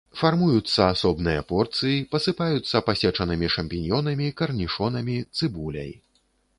Фармуюцца асобныя порцыі, пасыпаюцца пасечанымі шампіньёнамі, карнішонамі, цыбуляй.